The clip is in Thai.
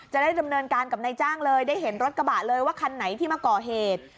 จะได้ดำเนินการกับนายจ้างเลยได้เห็นรถกระบะเลยว่าคันไหนที่มาก่อเหตุ